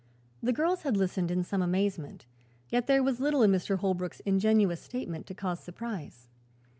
The girls had listened in some amazement, yet there was little in Mr. Holbrook's ingenuous statement to cause surprise.